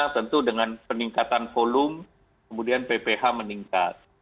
tentu dengan peningkatan volume kemudian pph meningkat